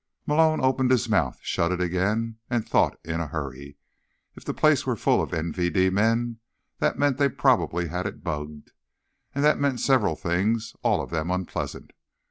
Malone opened his mouth, shut it again, and thought in a hurry. If the place were full of MVD men, that meant they probably had it bugged. And that meant several things, all of them unpleasant.